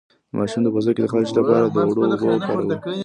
د ماشوم د پوستکي د خارښ لپاره د اوړو اوبه وکاروئ